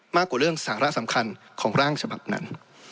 มากกว่าเรื่องสาระสำคัญของร่างฉบับนั้น